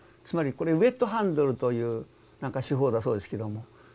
つまりこれ「ウェットハンドル」という手法だそうですけども。